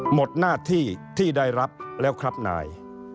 หมดหน้าที่ที่ได้รับแล้วครับนาย